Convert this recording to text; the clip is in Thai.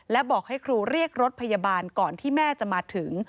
และบอกให้ครูเรียกรถพยาบาลก่อนที่แม่จะมาถึง